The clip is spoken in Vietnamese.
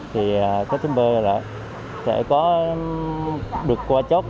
thì các shipper sẽ có được qua chốt